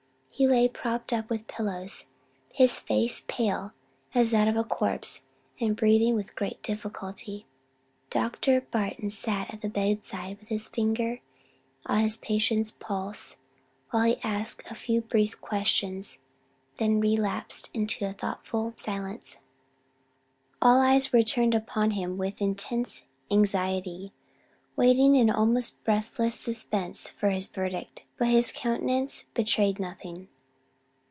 He lay propped up with pillows, his face pale as that of a corpse, and breathing with great difficulty. Dr. Barton sat at the bedside with his finger on the patient's pulse while he asked a few brief questions, then relapsed into a thoughtful silence. All eyes were turned upon him with intense anxiety, waiting in almost breathless suspense for his verdict; but his countenance betrayed nothing.